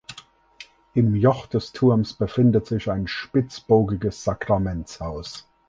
Im Joch des Turms befindet sich ein spitzbogiges Sakramentshaus.